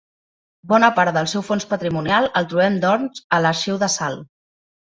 Bona part del seu fons patrimonial el trobem doncs a l'arxiu de Salt.